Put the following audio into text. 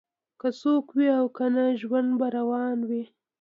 که څوک وي او کنه ژوند به روان وي